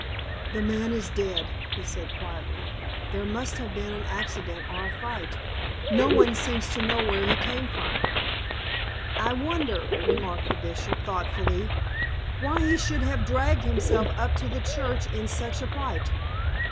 "The man is dead," he said, quietly. "There must have been an accident or a fight. No one seems to know where he came from." "I wonder," remarked the Bishop, thoughtfully, "why he should have dragged himself up to the church in such a plight.